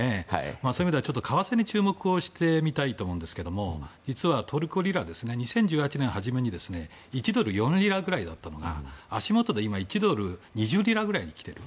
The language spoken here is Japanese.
そういう意味では為替に注目をしたいと思うんですが実はトルコリラは２０１８年の初めに１ドル＝４リラぐらいだったのが足元で１ドル＝２０リラぐらいまで来ている。